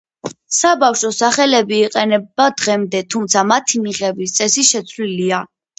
საბავშვო სახელები იყენება დღემდე, თუმცა მათი მიღების წესი შეცვლილია.